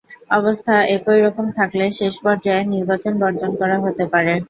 অবস্থা একই রকম থাকলে শেষ পর্যায়ে নির্বাচন বর্জন করা হতে পারে।